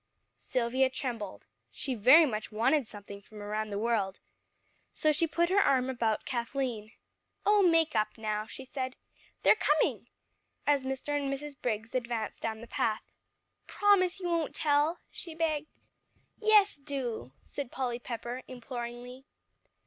Silvia trembled. She very much wanted something from around the world. So she put her arm about Kathleen. "Oh, make up now," she said. "They're coming," as Mr. and Mrs. Briggs advanced down the path. "Promise you won't tell," she begged. "Yes, do," said Polly Pepper imploringly.